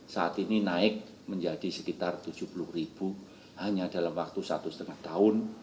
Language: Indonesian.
saat ini naik menjadi sekitar tujuh puluh ribu hanya dalam waktu satu lima tahun